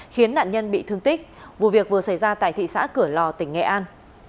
khiến nạn nhân bị thương tích vụ việc vừa xảy ra tại thị xã cửa lò tỉnh nghệ an